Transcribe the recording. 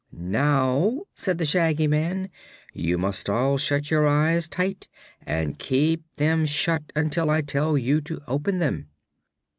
"Now," said the Shaggy Man, "you must all shut your eyes tight, and keep them shut until I tell you to open them."